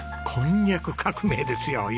こんにゃく革命ですよ！